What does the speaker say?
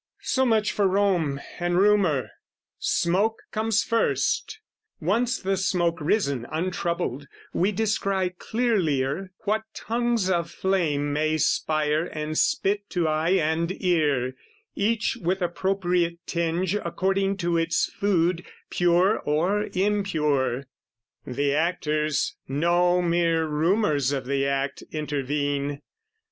So much for Rome and rumour; smoke comes first: Once the smoke risen untroubled, we descry Clearlier what tongues of flame may spire and spit To eye and ear, each with appropriate tinge According to its food, pure or impure. The actors, no mere rumours of the act, Intervene.